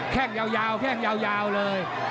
แค่งยาวเลย